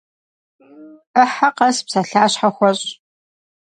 Ӏыхьэ къэс псалъащхьэ хуэщӏ.